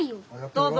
どうぞ。